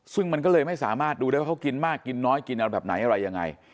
ซึ่งมันก็เลยไม่สามารถดูได้ว่าเขากินมากกินน้อยกินอะไรแบบไหนอะไรยังไง